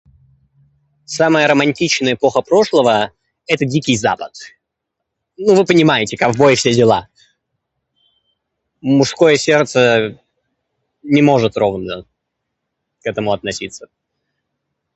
Самая романтичная эпоха прошлого - это Дикий Запад. Ну, вы понимаете - ковбои, все дела! Мужское сердце не может ровно к этому относиться.